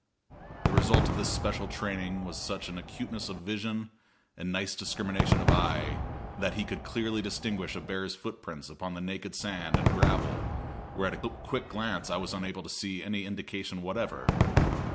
The result of this special training was such an acuteness of vision and nice discrimination of eye that he could clearly distinguish a bear's footprints upon the naked sand and gravel where at a quick glance I was unable to see any indication whatever.